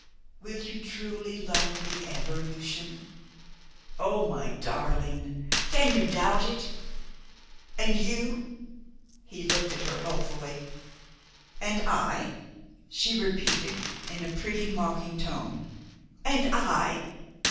"Will you truly love me ever, Lucian?" "Oh, my darling! Can you doubt it? And you?" He looked at her hopefully. "And I?" she repeated in a pretty mocking tone, "and I?"